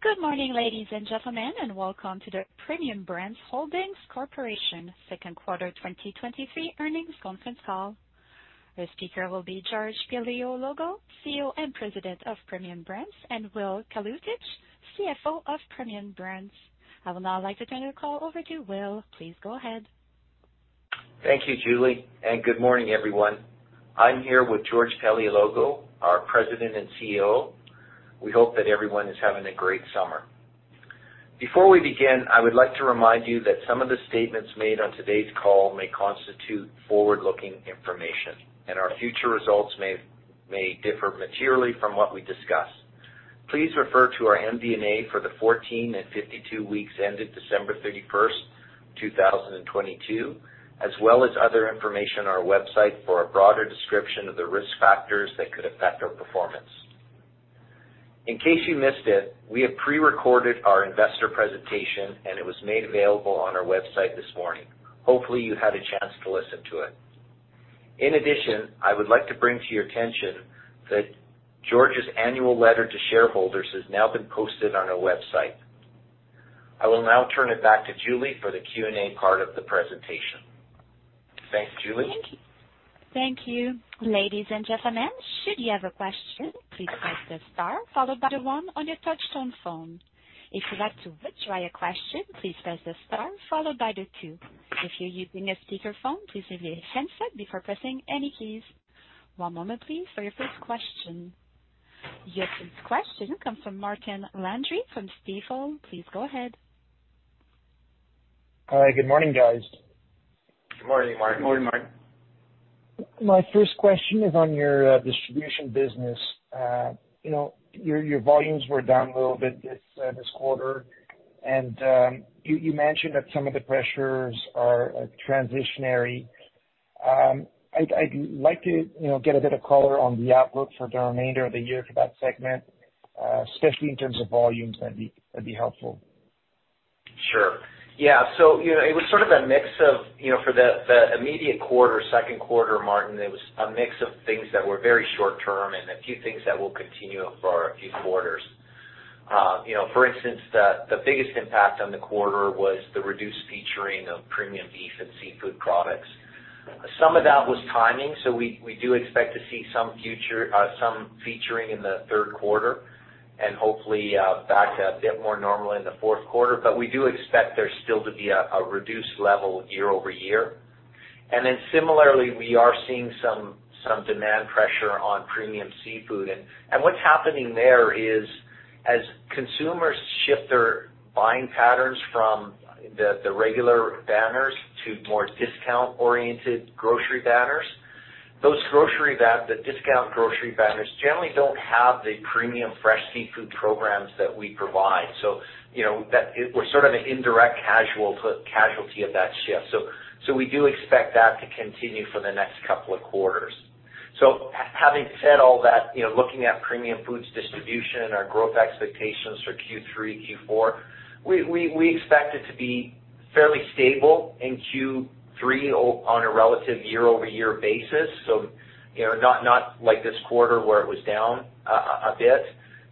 Good morning, ladies and gentlemen, and welcome to the Premium Brands Holdings Corporation second quarter 2023 earnings conference call. The speaker will be George Paleologou, CEO and President of Premium Brands, and Will Kalutycz, CFO of Premium Brands. I will now like to turn the call over to Will. Please go ahead. Thank you, Julie. Good morning, everyone. I'm here with George Paleologou, our President and CEO. We hope that everyone is having a great summer. Before we begin, I would like to remind you that some of the statements made on today's call may constitute forward-looking information, our future results may, may differ materially from what we discuss. Please refer to our MD&A for the 14 and 52 weeks ended December 31st, 2022, as well as other information on our website for a broader description of the risk factors that could affect our performance. In case you missed it, we have prerecorded our investor presentation, it was made available on our website this morning. Hopefully, you had a chance to listen to it. In addition, I would like to bring to your attention that George's annual letter to shareholders has now been posted on our website. I will now turn it back to Julie for the Q&A part of the presentation. Thanks, Julie. Thank you. Ladies and gentlemen, should you have a question, please press the star followed by the one on your touchtone phone. If you'd like to withdraw your question, please press the star followed by the two. If you're using a speakerphone, please mute your handset before pressing any keys. One moment, please, for your first question. Your first question comes from Martin Landry from Stifel. Please go ahead. Good morning, guys. Good morning, Martin. Good morning, Martin. My first question is on your distribution business. You know, your, your volumes were down a little bit this quarter, and you, you mentioned that some of the pressures are, are transitionary. I'd like to, you know, get a bit of color on the outlook for the remainder of the year for that segment, especially in terms of volumes that'd be helpful. Sure. Yeah, you know, it was sort of a mix of, you know, for the immediate quarter, second quarter, Martin, it was a mix of things that were very short term and a few things that will continue for a few quarters. You know, for instance, the, the biggest impact on the quarter was the reduced featuring of premium beef and seafood products. Some of that was timing, we do expect to see some future, some featuring in the third quarter and hopefully, back to a bit more normal in the fourth quarter. We do expect there still to be a, a reduced level year-over-year. Then similarly, we are seeing some demand pressure on premium seafood. What's happening there is, as consumers shift their buying patterns from the, the regular banners to more discount-oriented grocery banners, the discount grocery banners generally don't have the premium fresh seafood programs that we provide. You know, that we're sort of an indirect casual casualty of that shift. We do expect that to continue for the next couple of quarters. Having said all that, you know, looking at Premium Food Distribution and our growth expectations for Q3, Q4, we expect it to be fairly stable in Q3 on a relative year-over-year basis. You know, not like this quarter where it was down a bit.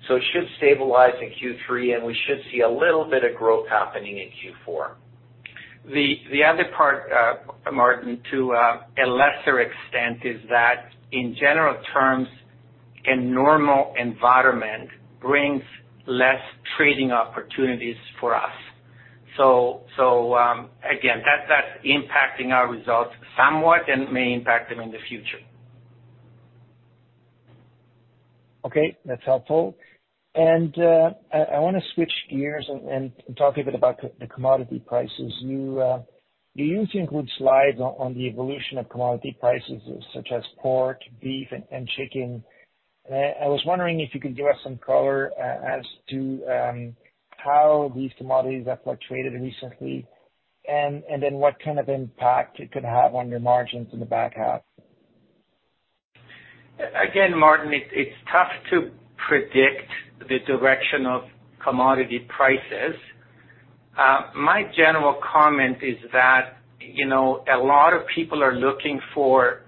It should stabilize in Q3, and we should see a little bit of growth happening in Q4. The other part, Martin, to, a lesser extent, is that in general terms, a normal environment brings less trading opportunities for us. Again, that's impacting our results somewhat and may impact them in the future. Okay, that's helpful. I, I wanna switch gears and talk a bit about the commodity prices. You usually include slides on the evolution of commodity prices, such as pork, beef, and chicken. I was wondering if you could give us some color as to how these commodities have fluctuated recently, and then what kind of impact it could have on your margins in the back half. Again, Martin, it's tough to predict the direction of commodity prices. My general comment is that, you know, a lot of people are looking for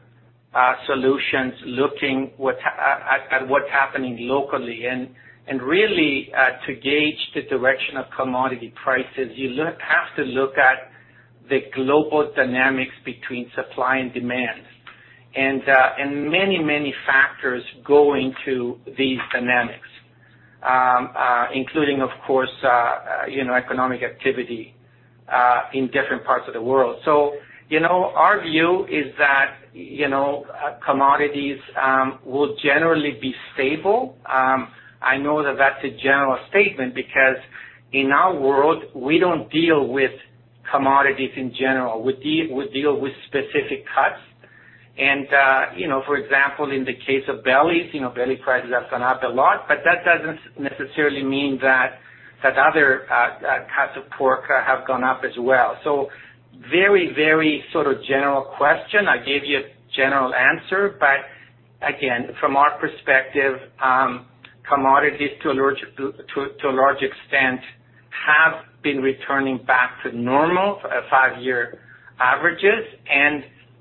solutions, looking at what's happening locally, and really to gauge the direction of commodity prices, you have to look at the global dynamics between supply and demand. Many, many factors go into these dynamics, including, of course, you know, economic activity in different parts of the world. Our view is that, you know, commodities will generally be stable. I know that that's a general statement because in our world, we don't deal with commodities in general. We deal with specific cuts. You know, for example, in the case of bellies, you know, belly prices have gone up a lot, but that doesn't necessarily mean that other cuts of pork have gone up as well. Very, very sort of general question. I gave you a general answer, but again, from our perspective, commodities, to a large extent, been returning back to normal, five-year averages.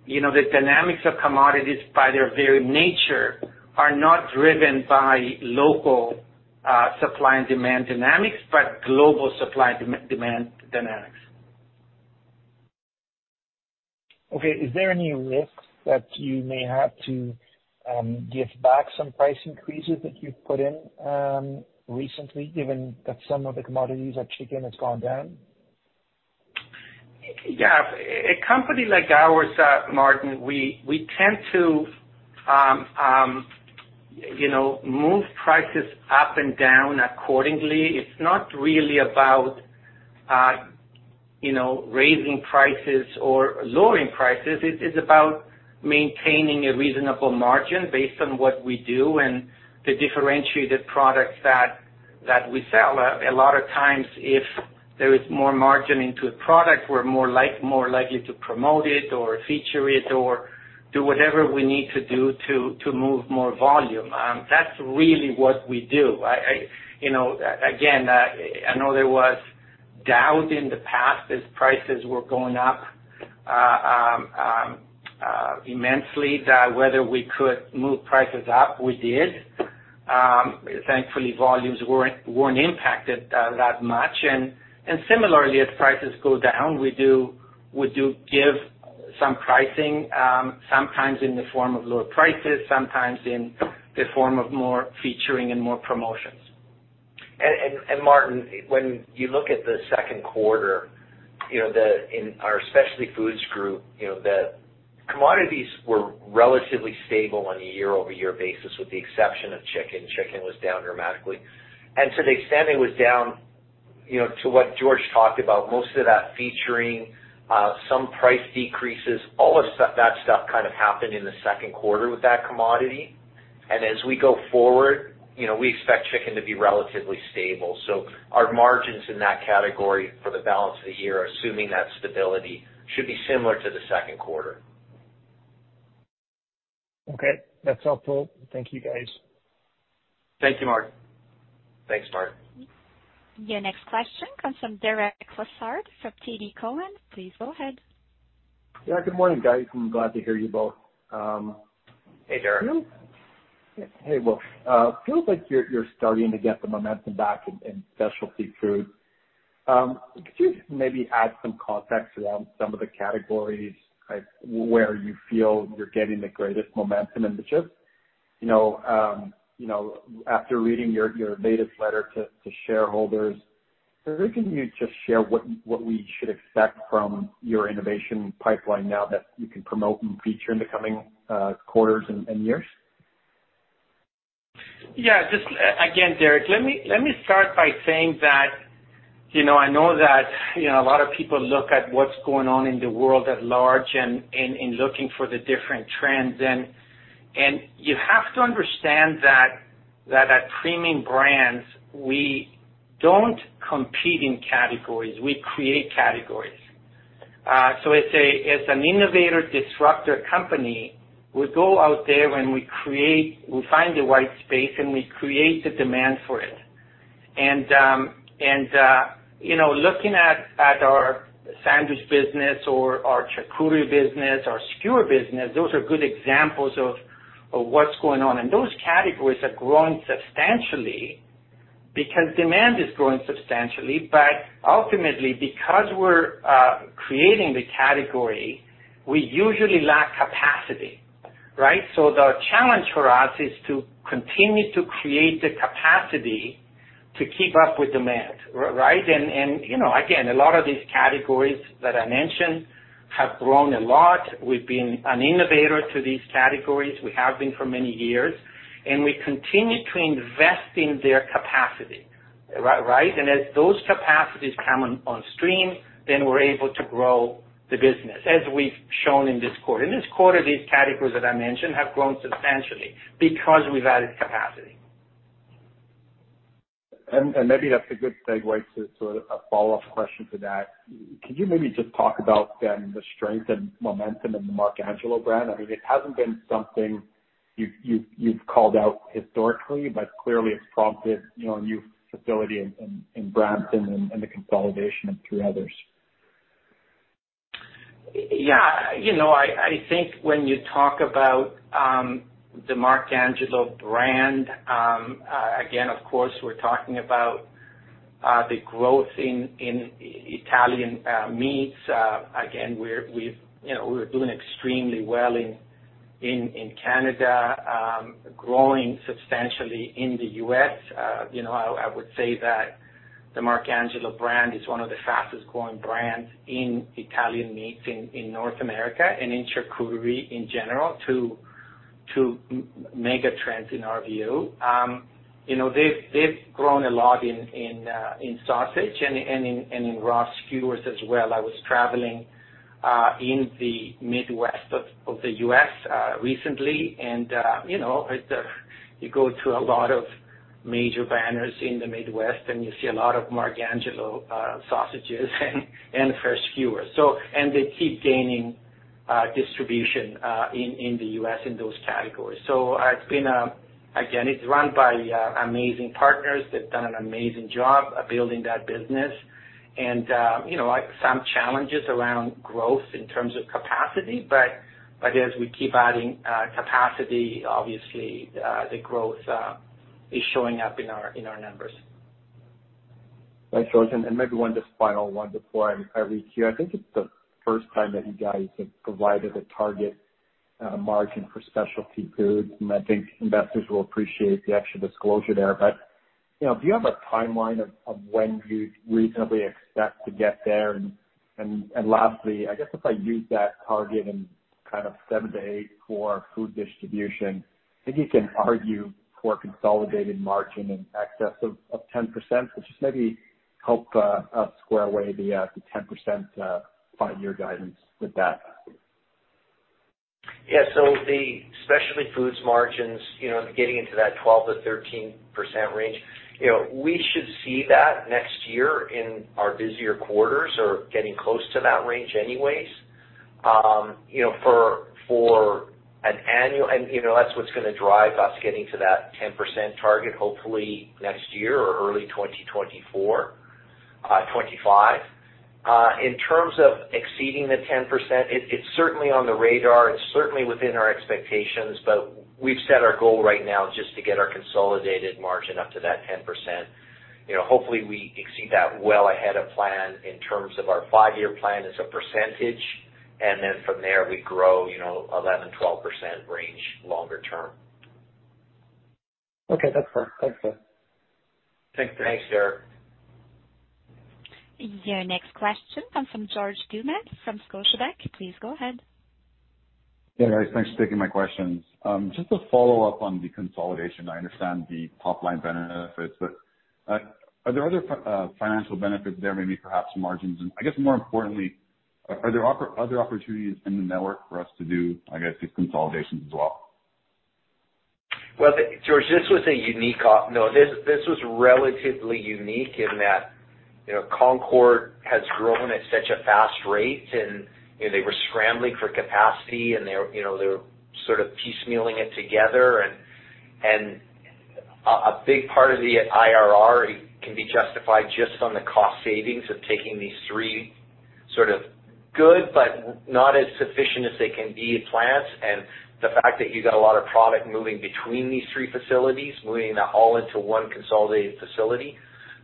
You know, the dynamics of commodities by their very nature, are not driven by local supply and demand dynamics, but global supply demand dynamics. Okay. Is there any risk that you may have to give back some price increases that you've put in recently, given that some of the commodities, like chicken, has gone down? Yeah. A company like ours, Martin, we tend to, you know, move prices up and down accordingly. It's not really about, you know, raising prices or lowering prices. It is about maintaining a reasonable margin based on what we do and the differentiated products that we sell. A lot of times, if there is more margin into a product, we're more likely to promote it or feature it or do whatever we need to do to move more volume. That's really what we do. I, you know, again, I know there was doubt in the past as prices were going up immensely, that whether we could move prices up, we did. Thankfully, volumes weren't impacted that much. Similarly, as prices go down, we do give some pricing, sometimes in the form of lower prices, sometimes in the form of more featuring and more promotions. Martin, when you look at the second quarter, you know, the, in our Specialty Foods Group, you know, the commodities were relatively stable on a year-over-year basis, with the exception of chicken. Chicken was down dramatically. To the extent it was down, you know, to what George talked about, that stuff kind of happened in the second quarter with that commodity. As we go forward, you know, we expect chicken to be relatively stable. Our margins in that category for the balance of the year, assuming that stability, should be similar to the second quarter. Okay, that's helpful. Thank you, guys. Thank you, Martin. Thanks, Martin. Your next question comes from Derek Lessard from TD Cowen. Please go ahead. Good morning, guys. I'm glad to hear you both. Hey, Derek. Hey, Will. feels like you're starting to get the momentum back in Specialty Foods. Could you maybe add some context around some of the categories, like, where you feel you're getting the greatest momentum in the shift? You know, after reading your latest letter to, to shareholders, can you just share what we should expect from your innovation pipeline now that you can promote and feature in the coming quarters and years? Yeah, just again, Derek, let me start by saying that, you know, I know that, you know, a lot of people look at what's going on in the world at large, in looking for the different trends. You have to understand that, that at Premium Brands, we don't compete in categories, we create categories. So as an innovator, disruptor company, we go out there, we find the white space, and we create the demand for it. You know, looking at, at our sandwich business or our charcuterie business, our skewer business, those are good examples of what's going on. Those categories have grown substantially because demand is growing substantially. Ultimately, because we're creating the category, we usually lack capacity, right? The challenge for us is to continue to create the capacity to keep up with demand, right? You know, again, a lot of these categories that I mentioned have grown a lot. We've been an innovator to these categories. We have been for many years, and we continue to invest in their capacity, right? As those capacities come on, on stream, then we're able to grow the business, as we've shown in this quarter. In this quarter, these categories that I mentioned have grown substantially because we've added capacity. And maybe that's a good segue to sort of a follow-up question to that. Could you maybe just talk about then the strength and momentum in the Marcangelo brand? I mean, it hasn't been something you've called out historically, but clearly it's prompted, you know, a new facility in Brampton and the consolidation of two others. You know, I think when you talk about the Marcangelo brand, again, of course, we're talking about the growth in Italian meats. Again, You know, we're doing extremely well in Canada, growing substantially in the U.S.. You know, I would say that the Marcangelo brand is one of the fastest growing brands in Italian meats in North America and in charcuterie in general, to mega trends in our view. You know, they've grown a lot in sausage and in raw skewers as well. I was traveling in the Midwest of the U.S. recently, and, you know, you go to a lot of major banners in the Midwest, and you see a lot of Marcangelo sausages, and, and fresh skewers. They keep gaining distribution in the U.S. in those categories. It's been, again, it's run by amazing partners. They've done an amazing job of building that business. You know, like some challenges around growth in terms of capacity, but as we keep adding capacity, obviously, the growth is showing up in our numbers. Thanks, George. Maybe one just final one before I reach you. I think it's the first time that you guys have provided a target, margin for Specialty Foods, and I think investors will appreciate the extra disclosure there. You know, do you have a timeline of, of when you reasonably expect to get there? And lastly, I guess if I use that target in kind of 7%-8% for Premium Food Distribution, I think you can argue for a consolidated margin in excess of, of 10%, which is maybe help, us square away the, the 10% five-year guidance with that. Yeah, so the Specialty Foods margins, you know, getting into that 12%-13% range, you know, we should see that next year in our busier quarters or getting close to that range anyways. You know, for an annual, you know, that's what's going to drive us getting to that 10% target, hopefully next year or early 2024, 2025. In terms of exceeding the 10%, it's certainly on the radar. It's certainly within our expectations. We've set our goal right now just to get our consolidated margin up to that 10%. You know, hopefully, we exceed that well ahead of plan in terms of our five-year plan as a percentage, and then from there, we grow, you know, 11%-12% range longer term. Okay, that's fair. Thanks, sir. Thanks. Thanks, Derek. Your next question comes from George Doumet from Scotiabank. Please go ahead. Yeah, guys, thanks for taking my questions. Just to follow up on the consolidation, I understand the top-line benefits, are there other financial benefits there, maybe perhaps margins? More importantly, are there other opportunities in the network for us to do the consolidations as well? Well, George, this was a unique no, this was relatively unique in that, you know, Concord has grown at such a fast rate, and, you know, they were scrambling for capacity, and they were, you know, they were sort of piecemealing it together. A big part of the IRR can be justified just on the cost savings of taking these three sort of good, but not as sufficient as they can be plants. The fact that you got a lot of product moving between these three facilities, moving that all into one consolidated facility.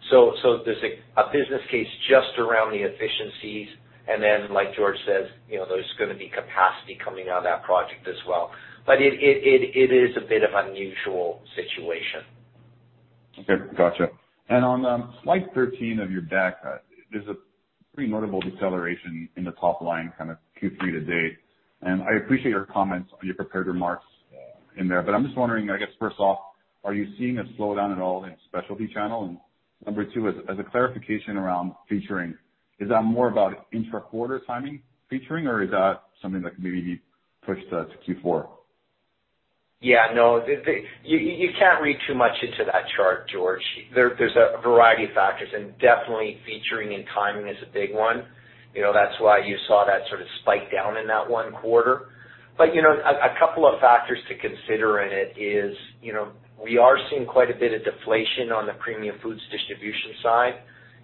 There's a business case just around the efficiencies, and then, like George says, you know, there's going to be capacity coming on that project as well. It is a bit of unusual situation. Okay, gotcha. On slide 13 of your deck, there's a pretty notable deceleration in the top line, kind of Q3 to date. I appreciate your comments on your prepared remarks in there. I'm just wondering, I guess, first off, are you seeing a slowdown at all in specialty channel? Number two, as a clarification around featuring, is that more about intra-quarter timing featuring, or is that something that maybe pushed us to Q4? Yeah, no, you can't read too much into that chart, George. There's a variety of factors, and definitely featuring and timing is a big one. You know, that's why you saw that sort of spike down in that one quarter. You know, a couple of factors to consider in it is, you know, we are seeing quite a bit of deflation on the Premium Food Distribution side.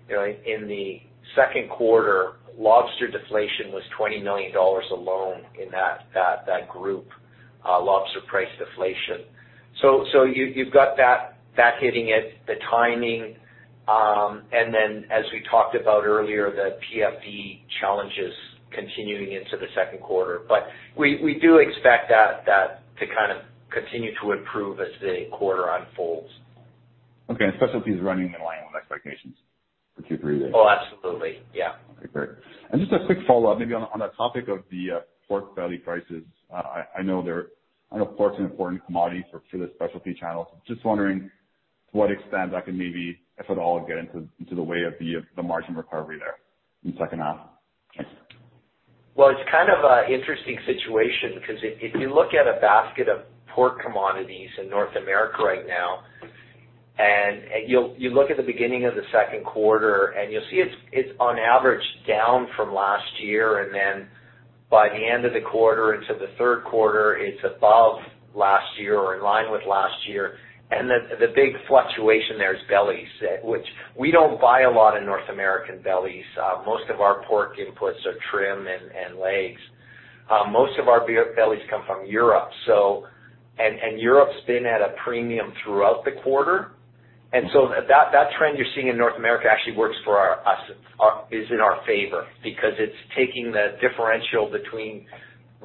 You know, in the second quarter, lobster deflation was 20 million dollars alone in that group, lobster price deflation. You've got that hitting it, the timing, and then, as we talked about earlier, the PFD challenges continuing into the second quarter. We do expect that to kind of continue to improve as the quarter unfolds. Okay. Specialty is running in line with expectations for Q3. Oh, absolutely. Yeah. Okay, great. Just a quick follow-up, maybe on the topic of the pork belly prices. I know pork's an important commodity for the specialty channels. Just wondering to what extent that can maybe, if at all, get into the way of the margin recovery there in second half? Thanks. Well, it's kind of a interesting situation because if you look at a basket of pork commodities in North America right now, you look at the beginning of the second quarter, and you'll see it's on average down from last year, and then by the end of the quarter into the third quarter, it's above last year or in line with last year. The big fluctuation there is bellies, which we don't buy a lot in North American bellies. Most of our pork inputs are trim and legs. Most of our bellies come from Europe, so. Europe's been at a premium throughout the quarter. That trend you're seeing in North America actually works for our, us, is in our favor because it's taking the differential between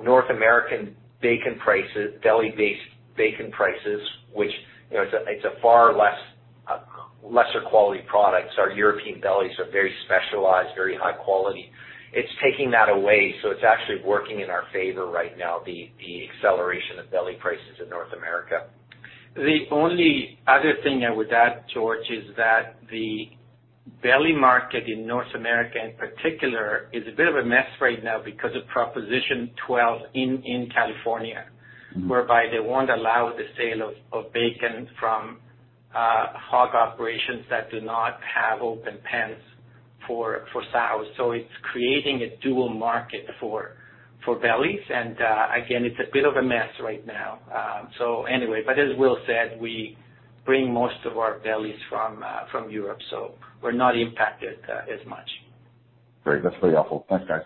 North American bacon prices, belly-based bacon prices, which, you know, it's a far less, lesser quality products. Our European bellies are very specialized, very high quality. It's taking that away, so it's actually working in our favor right now the acceleration of belly prices in North America. The only other thing I would add, George, is that the belly market in North America, in particular, is a bit of a mess right now because of Proposition 12 in California, whereby they won't allow the sale of bacon from hog operations that do not have open pens for sows. It's creating a dual market for bellies. Again, it's a bit of a mess right now. Anyway, but as Will said, we bring most of our bellies from Europe, so we're not impacted as much. Great. That's very helpful. Thanks, guys.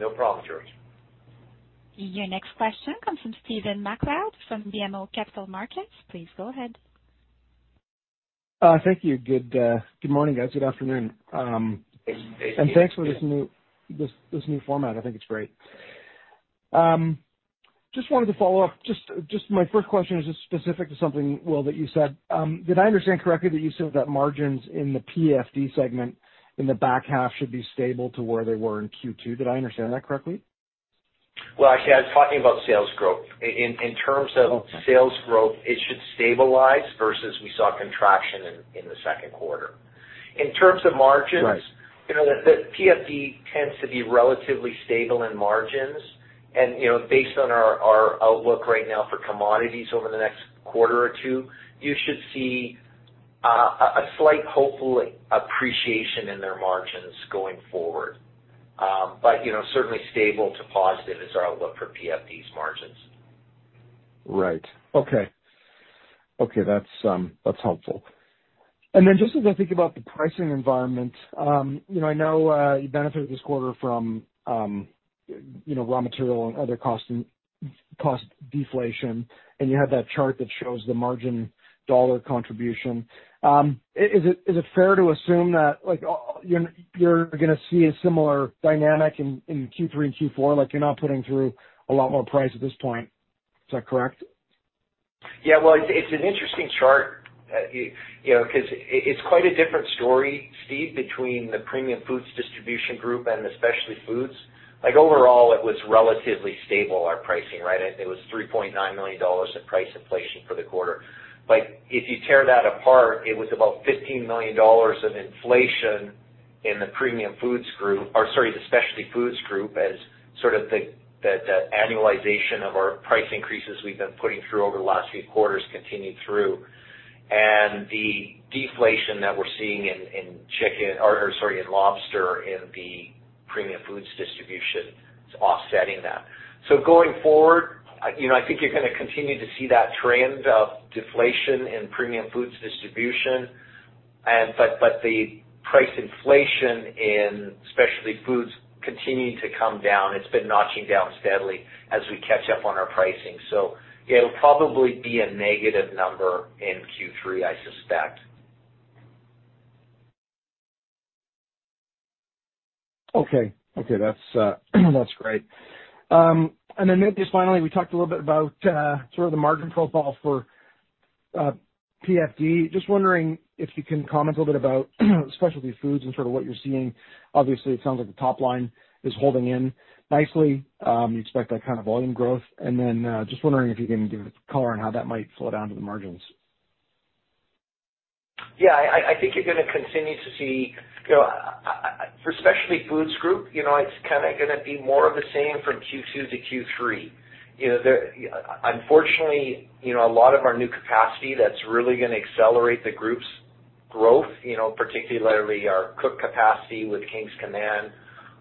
No problem, George. Your next question comes from Stephen MacLeod from BMO Capital Markets. Please go ahead. Thank you. Good, good morning, guys. Good afternoon. Good afternoon. Thanks for this new format. I think it's great. Just wanted to follow up. Just, just my first question is just specific to something, Will, that you said. Did I understand correctly that you said that margins in the PFD segment in the back half should be stable to where they were in Q2? Did I understand that correctly? Well, actually, I was talking about sales growth. In terms of- Okay. Sales growth, it should stabilize versus we saw contraction in the second quarter. In terms of margins- Right. You know, the PFD tends to be relatively stable in margins. You know, based on our outlook right now for commodities over the next quarter or two, you should see a slight hopeful appreciation in their margins going forward. You know, certainly stable to positive is our outlook for PFD's margins. Right. Okay, that's helpful. Just as I think about the pricing environment, you know, I know, you benefited this quarter from, you know, raw material and other cost and cost deflation, and you had that chart that shows the margin dollar contribution. Is it fair to assume that, like, you're gonna see a similar dynamic in, in Q3 and Q4? Like, you're not putting through a lot more price at this point. Is that correct? Well, it's an interesting chart, you know, 'cause it's quite a different story, Steve, between the Premium Food Distribution Group and the Specialty Foods. Like, overall, it was relatively stable, our pricing, right? It was $3.9 million in price inflation for the quarter. If you tear that apart, it was about $15 million of inflation in the Premium Food Distribution Group, or sorry, the Specialty Foods Group, as sort of the annualization of our price increases we've been putting through over the last few quarters continued through. The deflation that we're seeing in chicken or, sorry, in lobster, in the Premium Food Distribution, it's offsetting that. Going forward, you know, I think you're gonna continue to see that trend of deflation in Premium Food Distribution. The price inflation in Specialty Foods continuing to come down. It's been notching down steadily as we catch up on our pricing. It'll probably be a negative number in Q3, I suspect. Okay, that's great. Then just finally, we talked a little bit about sort of the margin profile for PFD. Just wondering if you can comment a little bit about Specialty Foods and sort of what you're seeing. Obviously, it sounds like the top line is holding in nicely. You expect that kind of volume growth. Then, just wondering if you can give a color on how that might flow down to the margins. Yeah, I think you're gonna continue to see, you know, for Specialty Foods Group, you know, it's kinda gonna be more of the same from Q2 to Q3. You know, unfortunately, you know, a lot of our new capacity that's really gonna accelerate the group's growth, you know, particularly our cook capacity with King's Command,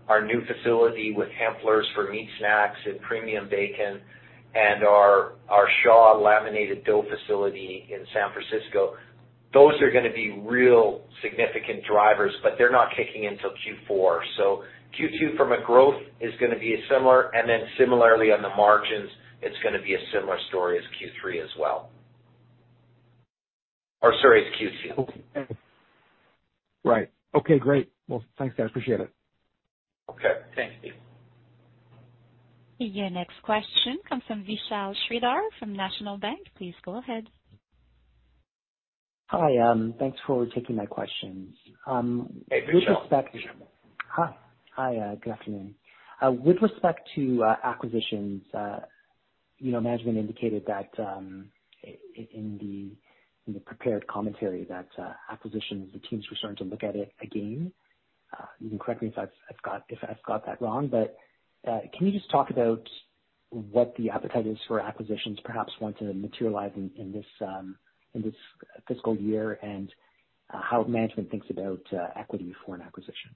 our new facility with Hempler's for meat snacks and premium bacon, and our, our Shaw laminated dough facility in San Francisco, those are gonna be real significant drivers, but they're not kicking in till Q4. Q2, from a growth, is gonna be similar, and then similarly on the margins, it's gonna be a similar story as Q3 as well. Or, sorry, as Q2. Okay. Right. Okay, great. Well, thanks, guys. I appreciate it. Okay. Thanks, Steve. Your next question comes from Vishal Shreedhar from National Bank. Please go ahead. Hi, thanks for taking my questions. Hey, Vishal. With respect- Hi. Hi, good afternoon. With respect to acquisitions, you know, management indicated that in, in the, in the prepared commentary, that acquisitions, the teams were starting to look at it again. You can correct me if I've got, if I've got that wrong, but can you just talk about what the appetite is for acquisitions, perhaps once they materialize in, in this fiscal year, and how management thinks about equity for an acquisition?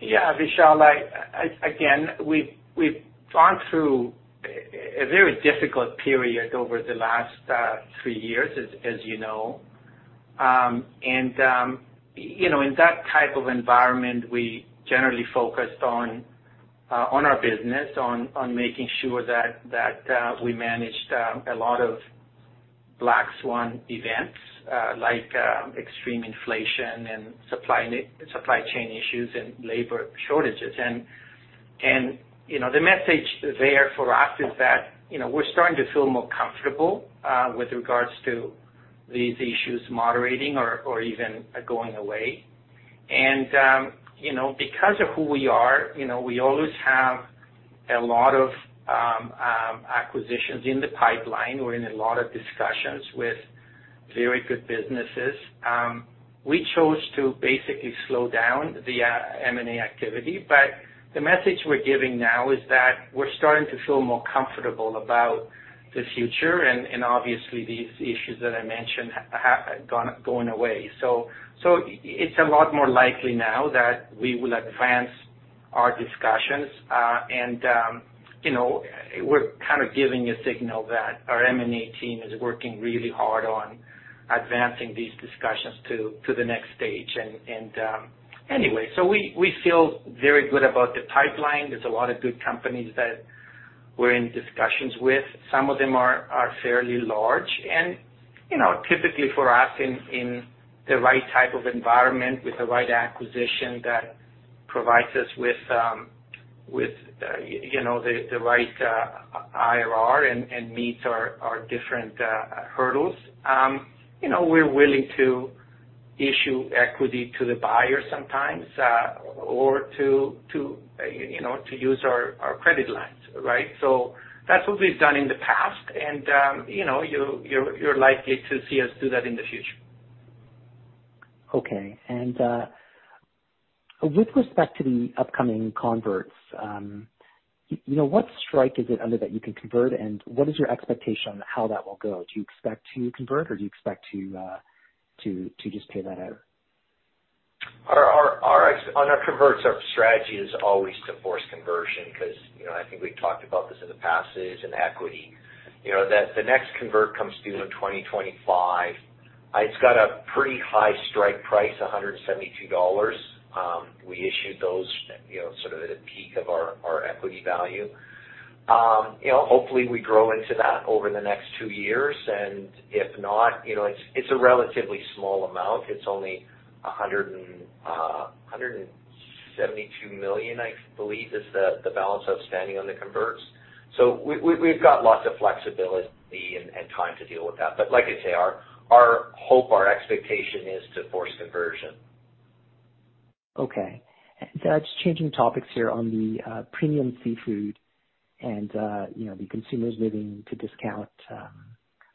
Yeah, Vishal, I, again, we've gone through a, a very difficult period over the last three years, as you know. You know, in that type of environment, we generally focused on our business, on making sure that we managed a lot of black swan events, like extreme inflation and supply chain issues and labor shortages. You know, the message there for us is that, you know, we're starting to feel more comfortable with regards to these issues moderating or even going away. You know, because of who we are, you know, we always have a lot of acquisitions in the pipeline or in a lot of discussions with... very good businesses. We chose to basically slow down the M&A activity. The message we're giving now is that we're starting to feel more comfortable about the future, and obviously, these issues that I mentioned have gone, gone away. It's a lot more likely now that we will advance our discussions. You know, we're kind of giving a signal that our M&A team is working really hard on advancing these discussions to the next stage. We feel very good about the pipeline. There's a lot of good companies that we're in discussions with. Some of them are fairly large, and, you know, typically for us, in the right type of environment, with the right acquisition that provides us with, you know, the right IRR and, and meets our different hurdles, you know, we're willing to issue equity to the buyer sometimes, or to you know, to use our, our credit lines, right? That's what we've done in the past, and, you know you're likely to see us do that in the future. Okay. And with respect to the upcoming converts, you know, what strike is it under that you can convert? What is your expectation on how that will go? Do you expect to convert, or do you expect to just pay that out? On our converts, our strategy is always to force conversion because, you know, I think we've talked about this in the past, it is an equity. You know, that the next convert comes due in 2025. It's got a pretty high strike price, 172 dollars. We issued those, you know, sort of at a peak of our equity value. You know, hopefully we grow into that over the next two years, and if not, you know, it's a relatively small amount. It's only 172 million, I believe, is the balance outstanding on the converts. We, we, we've got lots of flexibility and, and time to deal with that. Like I say, our hope, our expectation is to force conversion. Okay. Just changing topics here on the premium seafood and, you know, the consumers moving to discount,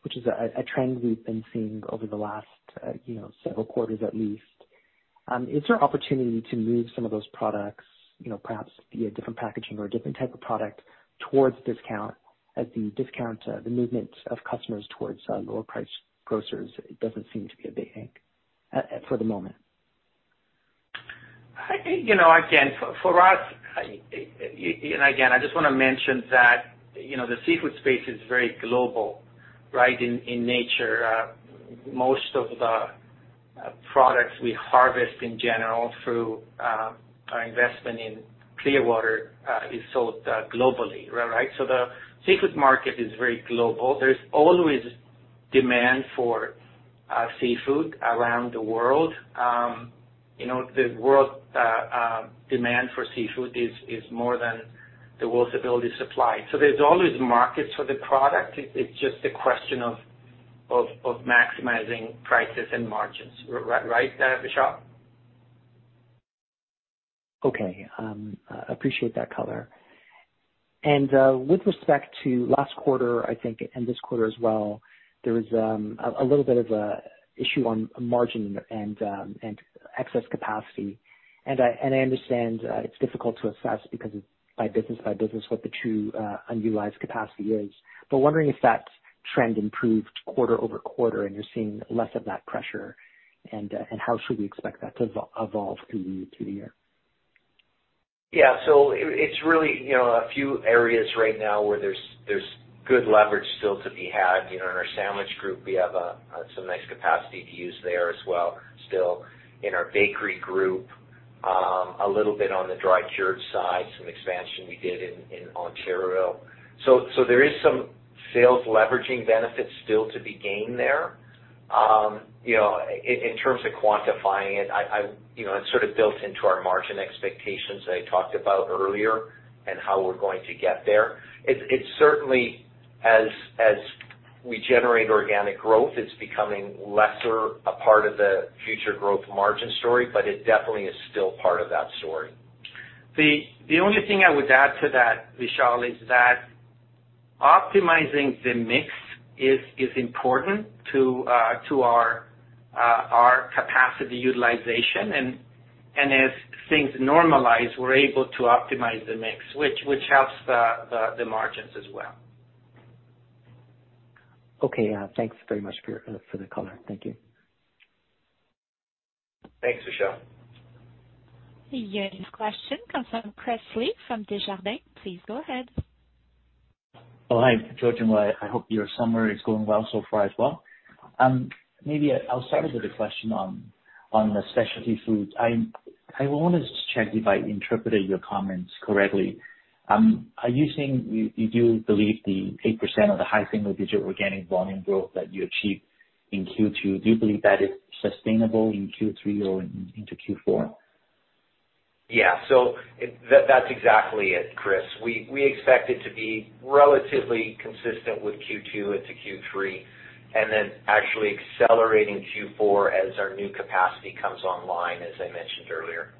which is a trend we've been seeing over the last, you know, several quarters at least. Is there opportunity to move some of those products, you know, perhaps via different packaging or a different type of product towards discount, as the discount, the movement of customers towards lower priced grocers, it doesn't seem to be a big thing for the moment. I think, you know, again, for us, again, I just wanna mention that, you know, the seafood space is very global, right? In nature, most of the products we harvest, in general, through our investment in Clearwater, is sold globally, right? The seafood market is very global. There's always demand for seafood around the world. You know, the world demand for seafood is more than the world's ability to supply. There's always markets for the product. It's just a question of maximizing prices and margins, right, Vishal? Okay. appreciate that color. With respect to last quarter, I think, and this quarter as well, there was a little bit of a issue on margin and excess capacity. And I understand, it's difficult to assess because it's by business, by business, what the true, utilized capacity is. Wondering if that trend improved quarter-over-quarter, and you're seeing less of that pressure, and how should we expect that to evolve through the year? Yeah. It's really, you know, a few areas right now where there's good leverage still to be had. You know, in our sandwich group, we have some nice capacity to use there as well. Still, in our bakery group, a little bit on the dry cured side, some expansion we did in Ontario. There is some sales leveraging benefits still to be gained there. You know, in terms of quantifying it, You know, it's sort of built into our margin expectations that I talked about earlier and how we're going to get there. It's, it's certainly as, as we generate organic growth, it's becoming lesser a part of the future growth margin story, but it definitely is still part of that story. The only thing I would add to that, Vishal, is that optimizing the mix is, is important to our capacity utilization. As things normalize, we're able to optimize the mix, which helps the margins as well. Okay. Thanks very much for the color. Thank you. Thanks, Vishal. The next question comes from Chris Li from Desjardins. Please go ahead. Oh, hi, George and Will. I hope your summer is going well so far as well. Maybe I'll start with a question on, on the Specialty Foods. I want to just check if I interpreted your comments correctly. Are you saying you do believe the 8% or the high single-digit organic volume growth that you achieved in Q2, do you believe that is sustainable in Q3 or into Q4? Yeah. It, that's exactly it, Chris. We, we expect it to be relatively consistent with Q2 into Q3, and then actually accelerating Q4 as our new capacity comes online, as I mentioned earlier.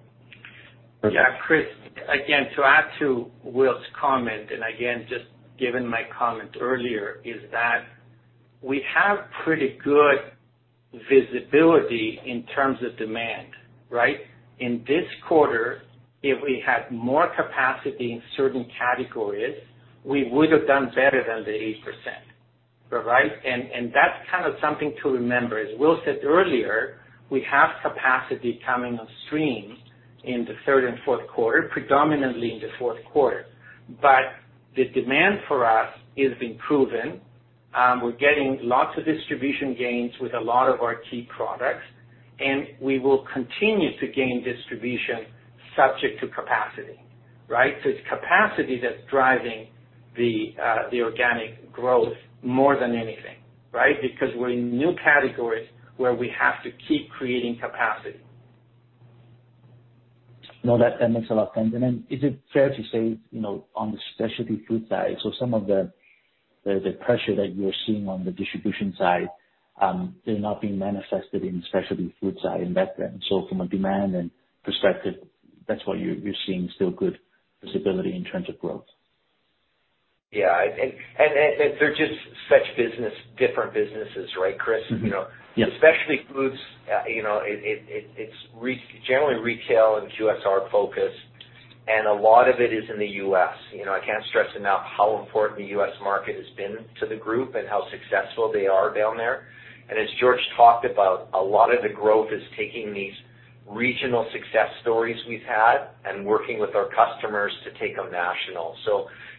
Yeah, Chris, again, to add to Will's comment, and again, just given my comment earlier, is that we have pretty good visibility in terms of demand, right? In this quarter, if we had more capacity in certain categories, we would have done better than the 8%. Right? That's kind of something to remember. As Will said earlier, we have capacity coming on stream in the third and fourth quarter, predominantly in the fourth quarter. The demand for us is improving. We're getting lots of distribution gains with a lot of our key products, and we will continue to gain distribution subject to capacity, right? It's capacity that's driving the organic growth more than anything, right? Because we're in new categories where we have to keep creating capacity. No, that makes a lot of sense. Is it fair to say, you know, on the Specialty Foods side, some of the pressure that you're seeing on the Distribution side, they're not being manifested in the Specialty Foods side in that then? From a demand then perspective, that's why you're, you're seeing still good visibility in terms of growth. Yeah. They're just such different businesses, right, Chris? Mm-hmm. Yep. You know, Specialty Foods, you know, it's generally retail and QSR focused, and a lot of it is in the U.S.. You know, I can't stress enough how important the US market has been to the group and how successful they are down there. As George talked about, a lot of the growth is taking these regional success stories we've had and working with our customers to take them national.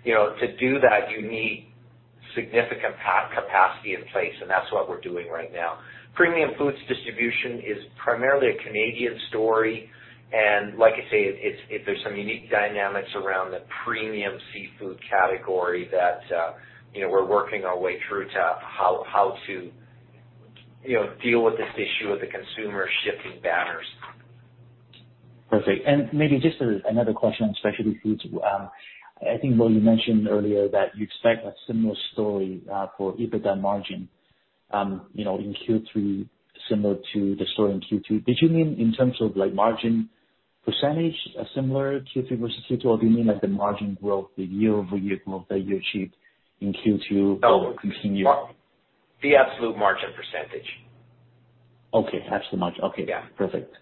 You know, to do that, you need significant capacity in place, and that's what we're doing right now. Premium Food Distribution is primarily a Canadian story, like I say, there's some unique dynamics around the premium seafood category that, you know, we're working our way through to how to, you know, deal with this issue of the consumer shifting banners. Perfect. Maybe just another question on Specialty Foods. I think, Will, you mentioned earlier that you expect a similar story for EBITDA margin, you know, in Q3, similar to the story in Q2. Did you mean in terms of, like, margin percentage, a similar Q3 versus Q2, or do you mean that the margin growth, the year-over-year growth that you achieved in Q2 will continue? The absolute margin percentage. Okay. Absolute margin. Okay. Yeah. Perfect.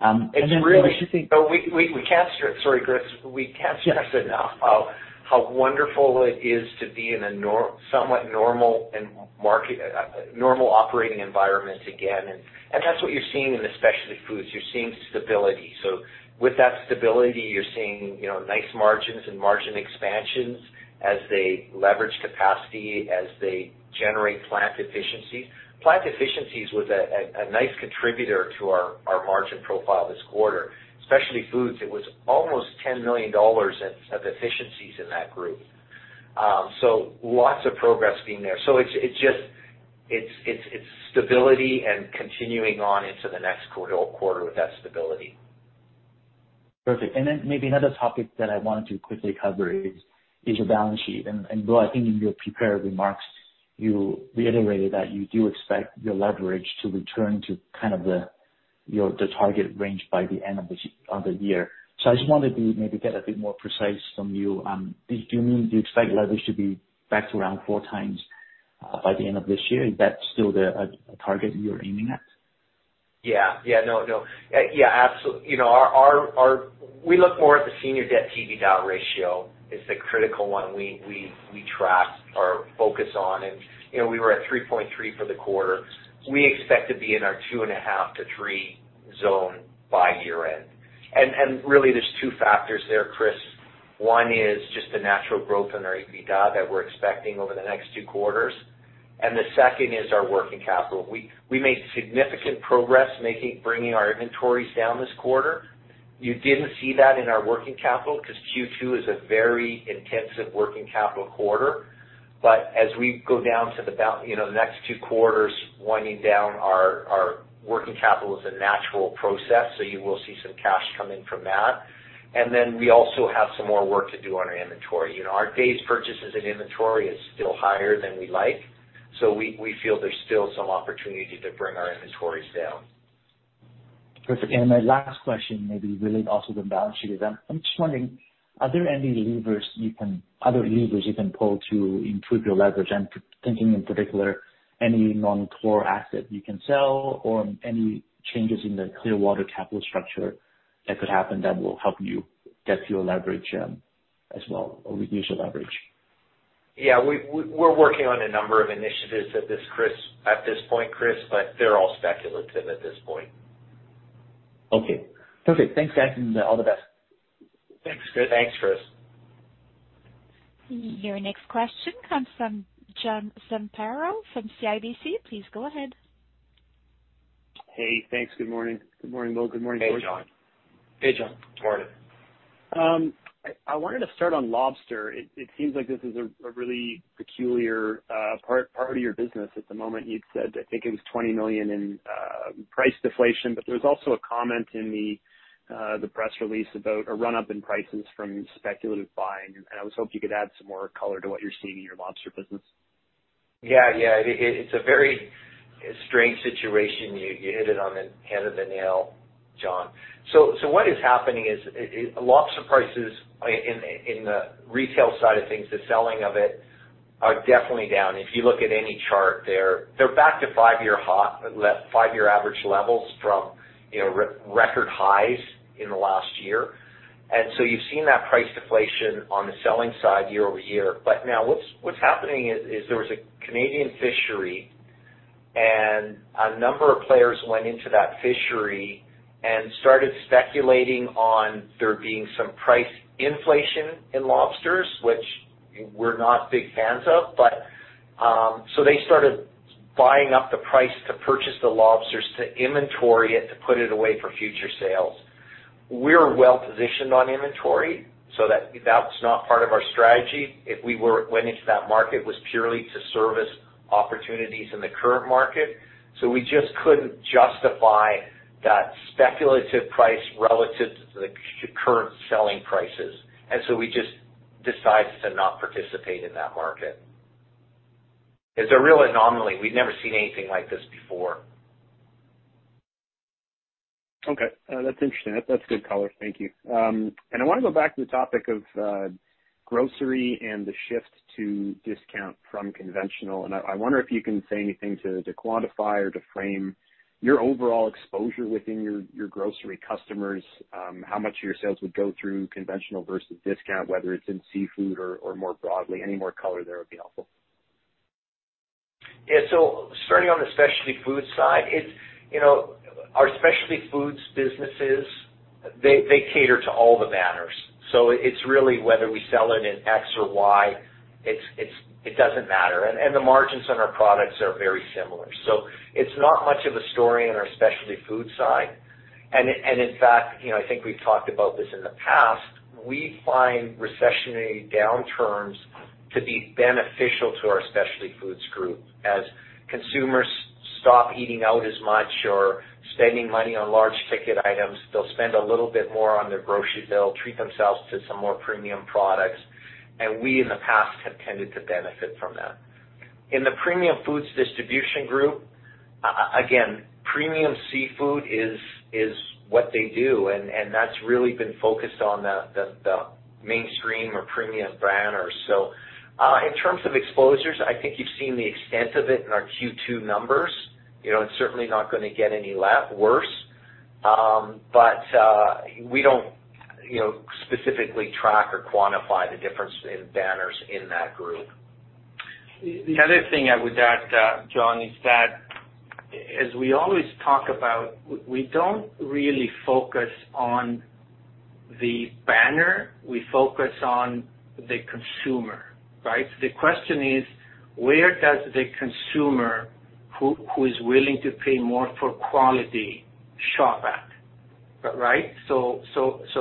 then the other thing- It's really. We can't stress... Sorry, Chris. We can't stress enough how wonderful it is to be in a somewhat normal and market normal operating environment again. That's what you're seeing in the Specialty Foods. You're seeing stability. With that stability, you're seeing, you know, nice margins and margin expansions as they leverage capacity, as they generate plant efficiencies. Plant efficiencies was a nice contributor to our margin profile this quarter. Specialty Foods, it was almost 10 million dollars of efficiencies in that group. Lots of progress being there. It's just stability and continuing on into the next quarter with that stability. Perfect. Maybe another topic that I wanted to quickly cover is, is your balance sheet. Will, I think in your prepared remarks, you reiterated that you do expect your leverage to return to kind of the, your, the target range by the end of this, of the year. I just wanted to maybe get a bit more precise from you. Do you mean you expect leverage to be back to around 4 times by the end of this year? Is that still the target you're aiming at? Yeah. Yeah. No, no. You know, our We look more at the senior debt to EBITDA ratio. It's the critical one we track or focus on. You know, we were at 3.3 for the quarter. We expect to be in our 2.5-3 zone by year-end. Really, there's two factors there, Chris. One is just the natural growth in our EBITDA that we're expecting over the next two quarters. The second is our working capital. We, we made significant progress bringing our inventories down this quarter. You didn't see that in our working capital because Q2 is a very intensive working capital quarter. As we go down, you know, the next two quarters, winding down our working capital is a natural process, so you will see some cash coming from that. Then we also have some more work to do on our inventory. You know, our days purchases and inventory is still higher than we like, so we feel there's still some opportunity to bring our inventories down. Perfect. My last question may be related also to the balance sheet. I'm just wondering, are there any levers you can other levers you can pull to improve your leverage? I'm thinking in particular, any non-core asset you can sell or any changes in the Clearwater capital structure that could happen that will help you get to your leverage as well, or reduce your leverage? Yeah, we're working on a number of initiatives at this, Chris, at this point, Chris, but they're all speculative at this point. Okay. Perfect. Thanks, guys, and all the best. Thanks, Chris. Thanks, Chris. Your next question comes from John Zamparo from CIBC. Please go ahead. Hey, thanks. Good morning. Good morning, Will. Good morning, George. Hey, John. Hey, John. Morning. I wanted to start on lobster. It seems like this is a really peculiar part of your business at the moment. You'd said, I think it was 20 million in price deflation, but there was also a comment in the press release about a run-up in prices from speculative buying, and I was hoping you could add some more color to what you're seeing in your lobster business. Yeah, it's a very strange situation. You hit it on the head of the nail, John. What is happening is lobster prices in the retail side of things, the selling of it, are definitely down. If you look at any chart, they're back to five-year average levels from, you know, record highs in the last year. You've seen that price deflation on the selling side year-over-year. Now what's happening is there was a Canadian fishery, and a number of players went into that fishery and started speculating on there being some price inflation in lobsters, which we're not big fans of, so they started buying up the price to purchase the lobsters, to inventory it, to put it away for future sales. We're well positioned on inventory, that's not part of our strategy. If we were went into that market, was purely to service opportunities in the current market. We just couldn't justify that speculative price relative to the current selling prices, we just decided to not participate in that market. It's a real anomaly. We've never seen anything like this before. That's interesting. That's good color. Thank you. I want to go back to the topic of grocery and the shift to discount from conventional, and I wonder if you can say anything to, to quantify or to frame your overall exposure within your, your grocery customers, how much of your sales would go through conventional versus discount, whether it's in seafood or, or more broadly? Any more color there would be helpful. Yeah. Starting on the Specialty Foods side, it's. You know, our Specialty Foods businesses, they, they cater to all the banners. It's really whether we sell it in X or Y, it's, it doesn't matter, and the margins on our products are very similar. It's not much of a story on our Specialty Foods side. In fact, you know, I think we've talked about this in the past, we find recessionary downturns to be beneficial to our Specialty Foods Group. As consumers stop eating out as much or spending money on large ticket items, they'll spend a little bit more on their groceries. They'll treat themselves to some more premium products, and we, in the past, have tended to benefit from that. In the Premium Food Distribution Group, again, premium seafood is what they do, and that's really been focused on the mainstream or premium banners. In terms of exposures, I think you've seen the extent of it in our Q2 numbers. You know, it's certainly not gonna get any worse. We don't, you know, specifically track or quantify the difference in banners in that group. The other thing I would add, John, is that as we always talk about, we don't really focus on the banner. We focus on the consumer, right? The question is, where does the consumer, who is willing to pay more for quality, shop at? Right? So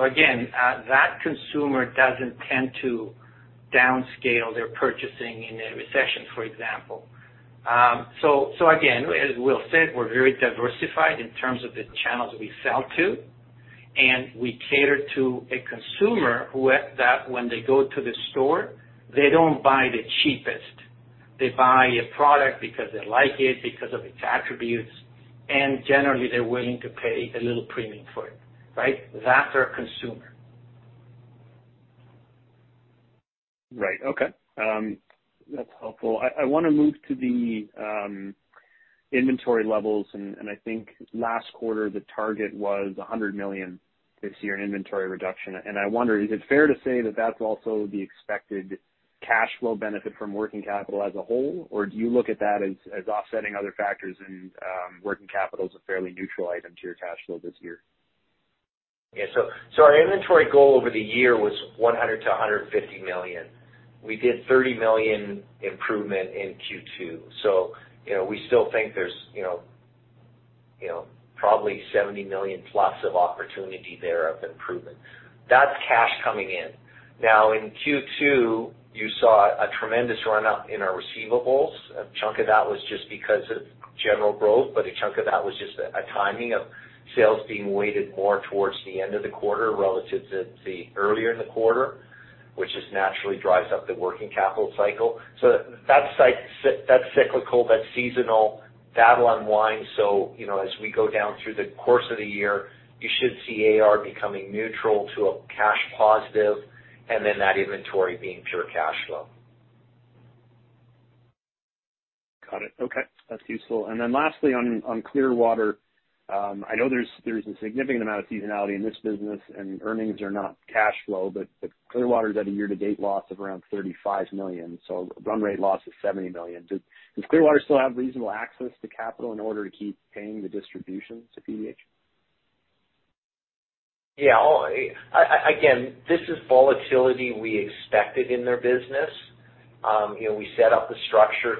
again, that consumer doesn't tend to downscale their purchasing in a recession, for example. So again, as Will said, we're very diversified in terms of the channels we sell to, and we cater to a consumer who at that, when they go to the store, they don't buy the cheapest. They buy a product because they like it, because of its attributes, and generally, they're willing to pay a little premium for it, right? That's our consumer. Right. Okay. That's helpful. I want to move to the inventory levels, and I think last quarter, the target was 100 million this year in inventory reduction. I wonder, is it fair to say that that's also the expected cash flow benefit from working capital as a whole? Or do you look at that as offsetting other factors, and working capital is a fairly neutral item to your cash flow this year? Yeah. Our inventory goal over the year was 100 million-150 million. We did 30 million improvement in Q2, so, you know, we still think there's, you know, probably 70 million+ of opportunity there of improvement. That's cash coming in. Now, in Q2, you saw a tremendous run-up in our receivables. A chunk of that was just because of general growth, but a chunk of that was just a timing of sales being weighted more towards the end of the quarter relative to the earlier in the quarter, which just naturally drives up the working capital cycle. That's cyclical, that's seasonal. That'll unwind, so, you know, as we go down through the course of the year, you should see AR becoming neutral to a cash positive, and then that inventory being pure cash flow. Got it. Okay, that's useful. Then lastly, on Clearwater, I know there's a significant amount of seasonality in this business, and earnings are not cash flow but Clearwater is at a year-to-date loss of around 35 million, so run rate loss is 70 million. Does, does Clearwater still have reasonable access to capital in order to keep paying the distributions to PBH? Yeah, oh, again, this is volatility we expected in their business. You know, we set up the structure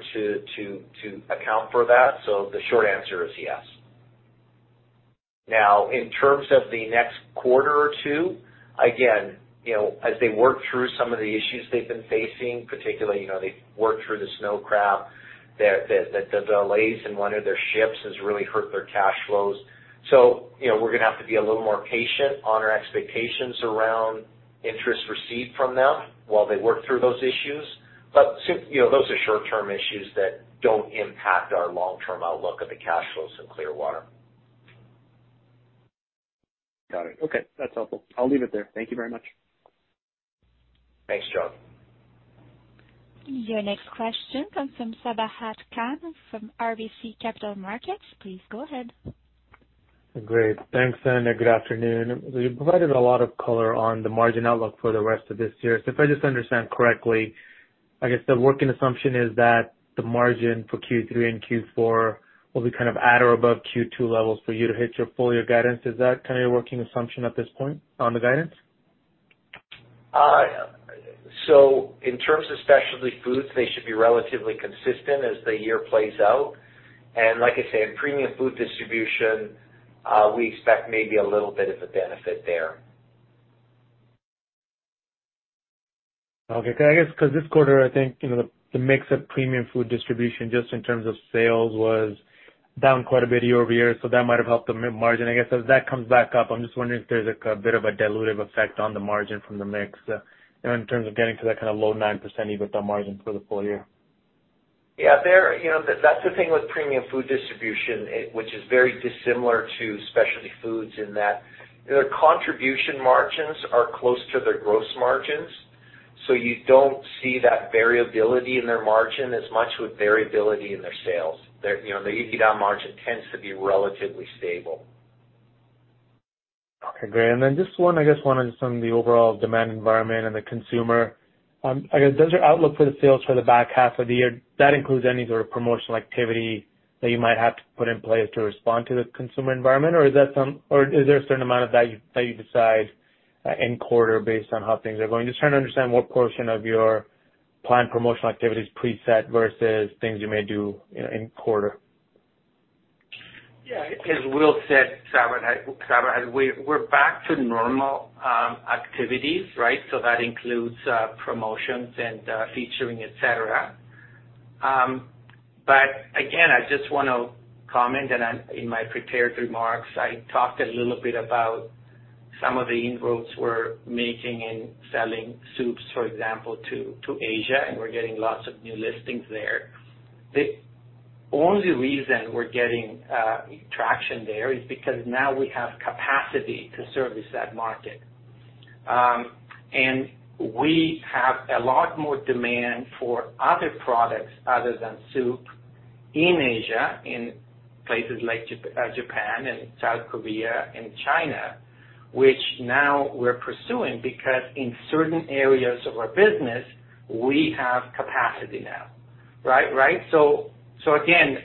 to account for that, the short answer is yes. Now, in terms of the next quarter or two, again, you know, as they work through some of the issues they've been facing, particularly, you know, they work through the snow crab, the delays in one of their ships has really hurt their cash flows. You know, we're gonna have to be a little more patient on our expectations around interest received from them while they work through those issues. You know, those are short-term issues that don't impact our long-term outlook of the cash flows in Clearwater. Got it. Okay, that's helpful. I'll leave it there. Thank you very much. Thanks, John. Your next question comes from Sabahat Khan from RBC Capital Markets. Please go ahead. Great. Thanks, and good afternoon. You provided a lot of color on the margin outlook for the rest of this year. If I just understand correctly, I guess the working assumption is that the margin for Q3 and Q4 will be kind of at or above Q2 levels for you to hit your full-year guidance. Is that kind of your working assumption at this point on the guidance? In terms of Specialty Foods, they should be relatively consistent as the year plays out. Like I said, Premium Food Distribution, we expect maybe a little bit of a benefit there. Okay. I guess, 'cause this quarter, I think, you know, the mix of Premium Food Distribution, just in terms of sales, was down quite a bit year-over-year, so that might have helped the margin. I guess, as that comes back up, I'm just wondering if there's, like, a bit of a dilutive effect on the margin from the mix, you know, in terms of getting to that kind of low 9% EBITDA margin for the full year. Yeah, there, you know, that's the thing with Premium Food Distribution, it, which is very dissimilar to Specialty Foods in that their contribution margins are close to their gross margins. You don't see that variability in their margin as much with variability in their sales. Their, you know, the EBITDA margin tends to be relatively stable. Okay, great. Just one, I guess, one on some of the overall demand environment and the consumer. I guess, does your outlook for the sales for the back half of the year, that includes any sort of promotional activity that you might have to put in place to respond to the consumer environment? Or is there a certain amount of that you, that you decide in quarter based on how things are going? Just trying to understand what portion of your planned promotional activity is preset versus things you may do, you know, in quarter. Yeah, as Will said, Sabahat, we're back to normal activities, right? That includes promotions and featuring, et cetera. Again, I just want to comment, and I, in my prepared remarks, I talked a little bit about some of the inroads we're making in selling soups, for example, to Asia, and we're getting lots of new listings there. The only reason we're getting traction there is because now we have capacity to service that market. We have a lot more demand for other products other than soup in Asia, in places like Japan and South Korea and China, which now we're pursuing because in certain areas of our business, we have capacity now, right? Right. Again,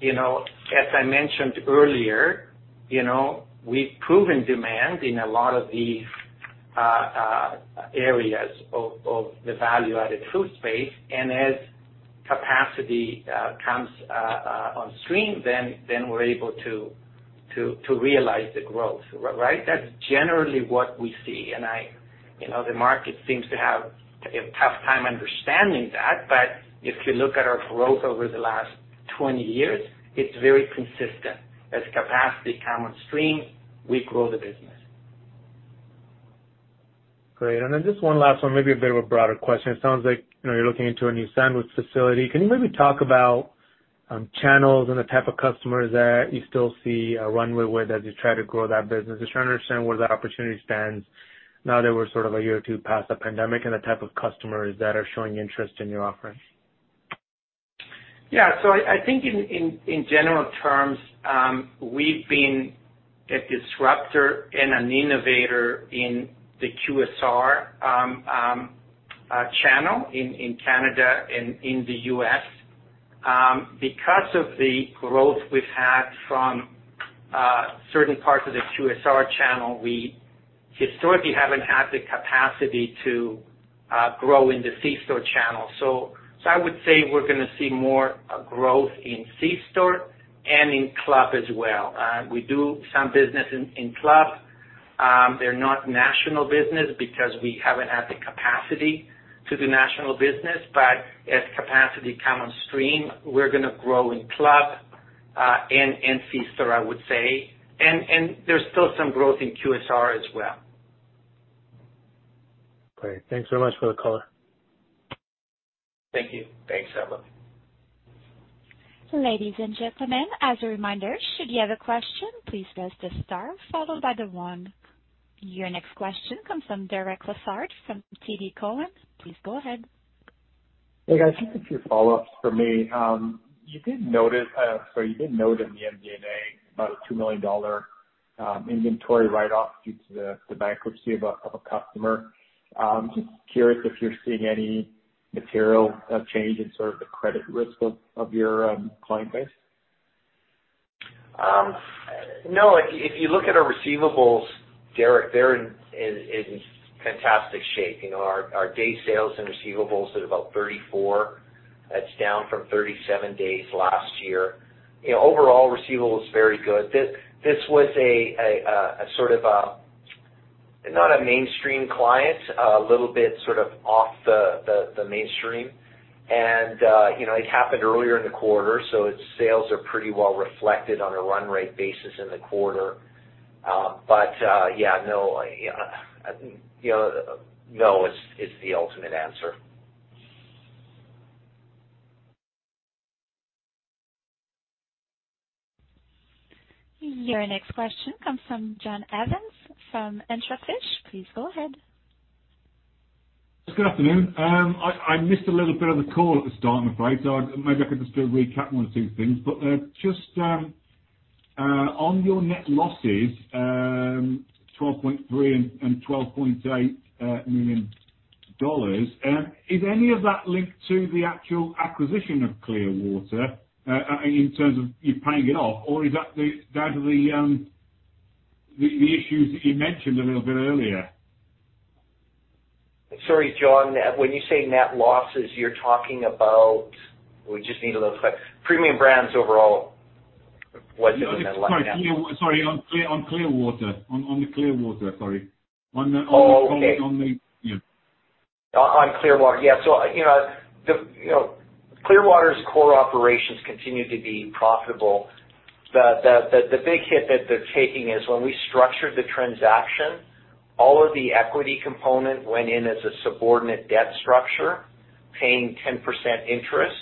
you know, as I mentioned earlier, you know, we've proven demand in a lot of these areas of the value-added food space, and as capacity comes on stream, then we're able to realize the growth, right? That's generally what we see. You know, the market seems to have a tough time understanding that, but if you look at our growth over the last 20 years, it's very consistent. As capacity come on stream, we grow the business. Great. Just one last one, maybe a bit of a broader question. It sounds like, you know, you're looking into a new sandwich facility. Can you maybe talk about channels and the type of customers that you still see a runway with as you try to grow that business? Just trying to understand where that opportunity stands now that we're sort of a year or two past the pandemic, and the type of customers that are showing interest in your offerings. Yeah. I think in general terms, we've been a disruptor and an innovator in the QSR channel in Canada and in the U.S.. Because of the growth we've had from certain parts of the QSR channel, we historically haven't had the capacity to grow in the C-store channel. I would say we're gonna see more growth in C-store and in club as well. We do some business in, in club. They're not national business because we haven't had the capacity to do national business, but as capacity come on stream, we're gonna grow in club and in C-store, I would say. There's still some growth in QSR as well. Great. Thanks so much for the color. Thank you. Thanks, Sabahat. Ladies and gentlemen, as a reminder, should you have a question, please press the star followed by the one. Your next question comes from Derek Lessard, from TD Cowen. Please go ahead. Hey, guys. Just a few follow-ups for me. You did notice, you did note in the MD&A about a $2 million inventory write-off due to the, the bankruptcy of a, of a customer. Just curious if you're seeing any material, change in sort of the credit risk of your client base. No. If you look at our receivables, Derek, they're in fantastic shape. You know, our day sales and receivables is about 34. That's down from 37 days last year. You know, overall receivable is very good. This was a sort of, not a mainstream client, a little bit sort of off the mainstream. You know, it happened earlier in the quarter, so its sales are pretty well reflected on a run rate basis in the quarter. Yeah, no, you know, no, is the ultimate answer. Your next question comes from John Evans from IntraFish. Please go ahead. Good afternoon. I, I missed a little bit of the call at the start, I'm afraid, so maybe I could just do a recap, one or two things. Just on your net losses, $12.3 million and $12.8 million, is any of that linked to the actual acquisition of Clearwater, in terms of you paying it off, or is that the, down to the issues that you mentioned a little bit earlier? Sorry, John. When you say net losses, you're talking about? We just need a little, Premium Brands overall. What do you mean by net? Sorry, on Clearwater. On the Clearwater, sorry. Oh, okay. On the, yeah. On Clearwater. Yeah. You know, Clearwater's core operations continue to be profitable. The big hit that they're taking is when we structured the transaction, all of the equity component went in as a subordinate debt structure, paying 10% interest,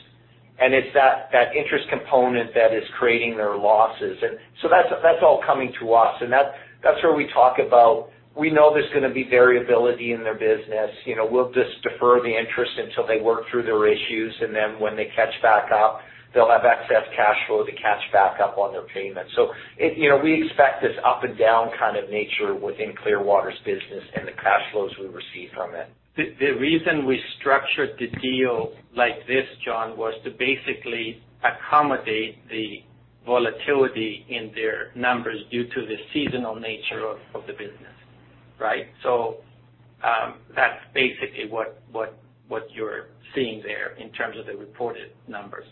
and it's that, that interest component that is creating their losses. That's, that's all coming to us, and that's, that's where we talk about, we know there's gonna be variability in their business. You know, we'll just defer the interest until they work through their issues, and then when they catch back up, they'll have excess cash flow to catch back up on their payments. You know, we expect this up and down kind of nature within Clearwater's business and the cash flows we receive from it. The, the reason we structured the deal like this, John, was to basically accommodate the volatility in their numbers due to the seasonal nature of the business, right? That's basically what you're seeing there in terms of the reported numbers.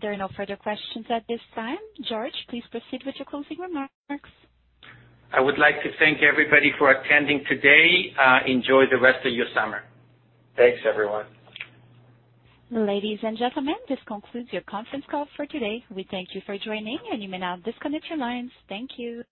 There are no further questions at this time. George, please proceed with your closing remarks. I would like to thank everybody for attending today. Enjoy the rest of your summer. Thanks, everyone. Ladies and gentlemen, this concludes your conference call for today. We thank you for joining, and you may now disconnect your lines. Thank you.